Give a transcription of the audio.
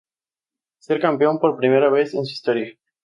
Ser campeón por primera vez en su historia.